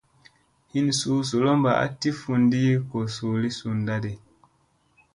Hin suu zolomba a ti fundi ko suu li sundadi.